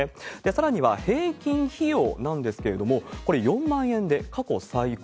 さらには平均費用なんですけれども、これ、４万円で過去最高。